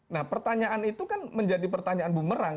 nah pertanyaan itu kan menjadi pertanyaan bumerang